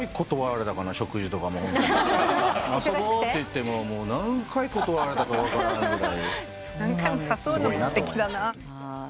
遊ぼうって言っても何回断られたか分からんぐらい。